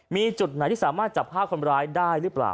มีจุดไหนที่สามารถจับภาพคนร้ายได้หรือเปล่า